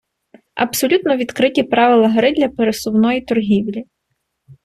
Абсолютно відкриті правила гри для пересувної торгівлі.